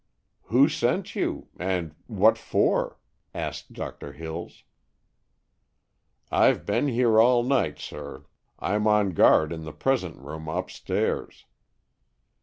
"Who sent you? And what for?" asked Doctor Hills. "I've been here all night, sir. I'm on guard in the present room upstairs."